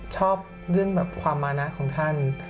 ชอบเรื่องแบบความมานะของท่าน